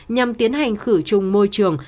nhằm tiến hành khử chung môi trường